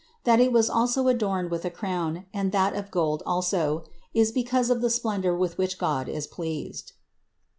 That it was also adorned with a crown, and that of gold also, is because of the splendor with which God is pleased.